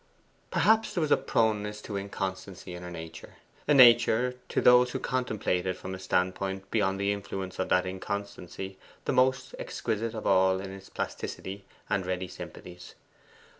Perhaps there was a proneness to inconstancy in her nature a nature, to those who contemplate it from a standpoint beyond the influence of that inconstancy, the most exquisite of all in its plasticity and ready sympathies.